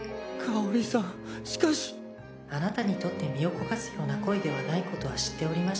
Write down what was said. あなたにとって身を焦がすような恋ではないことは知っておりました。